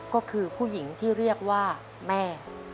ก็คือผู้หญิงที่เรียกว่าแม่